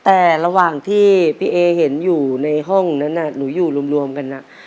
แต่ระหว่างที่พี่เอเห็นอยู่ในห้องนั้นหนูอยู่รวมกัน